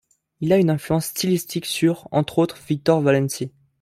Il a une influence stylistique sur, entre autres, Victor Valensi.